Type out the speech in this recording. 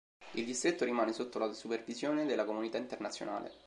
Il distretto rimane sotto la supervisione della comunità internazionale.